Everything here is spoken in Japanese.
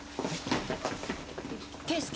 圭介？